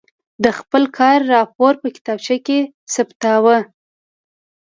د خپل کار راپور په کتابچه کې ثبتاوه.